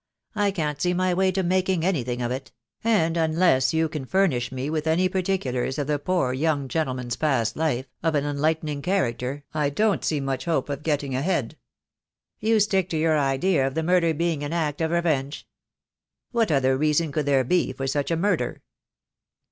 I can't see my way to making anything of it; and unless you can furnish me with any particulars of the poor young gentleman's past life, of an enlighten ing character, I don't see much hope of getting ahead." "You stick to your idea of the murder being an act of revenge?" "What other reason could there be for such a murder?"